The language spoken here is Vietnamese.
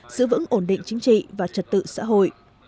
giữ vững ổn định chính trị và trật tự xã hội